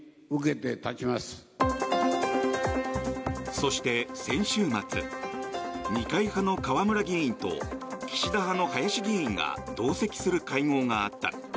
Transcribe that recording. そして、先週末二階派の河村議員と岸田派の林議員が同席する会合があった。